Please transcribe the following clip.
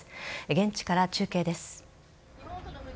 現地から中継です。